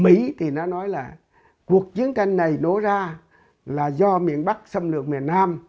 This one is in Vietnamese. mỹ thì nó nói là cuộc chiến tranh này nổ ra là do miền bắc xâm lược miền nam